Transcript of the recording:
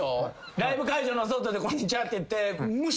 ライブ会場の外で「こんにちは」って言って無視？